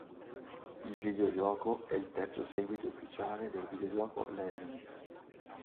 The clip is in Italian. Il videogioco è il terzo seguito ufficiale del videogioco "Lemmings".